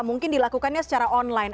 mungkin dilakukannya secara online